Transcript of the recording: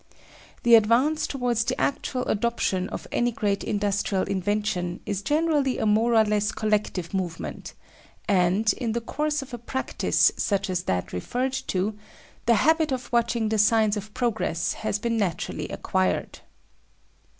The advance towards the actual adoption of any great industrial invention is generally a more or less collective movement; and, in the course of a practice such as that referred to, the habit of watching the signs of progress has been naturally acquired.